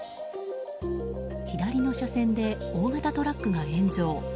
左の車線で大型トラックが炎上。